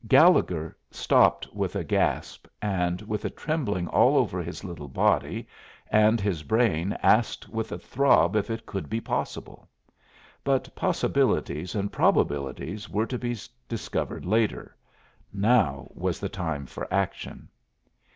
Gallegher stopped with a gasp and with a trembling all over his little body, and his brain asked with a throb if it could be possible. But possibilities and probabilities were to be discovered later. Now was the time for action.